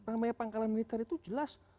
namanya pangkalan militer itu jelas